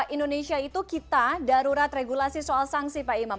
indonesia itu kita darurat regulasi soal sanksi pak imam